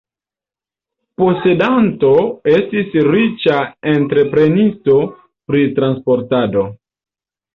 Posedanto estis riĉa entreprenisto pri transportado.